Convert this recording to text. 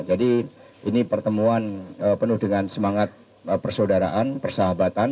jadi ini pertemuan penuh dengan semangat persaudaraan persahabatan